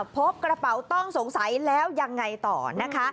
พบกระเป๋าต้องสงสัยแล้วยังไงต่อนะคะ